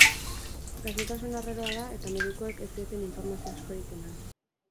Gaixotasun arraroa da eta medikuek ez zieten informazio askorik eman.